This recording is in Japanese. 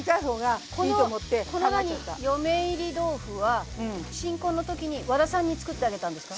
この「嫁いり豆腐」は新婚の時に和田さんに作ってあげたんですか？